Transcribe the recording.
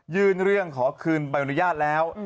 ยื่นเรื่องขอคืนใบอนุญาตแล้ว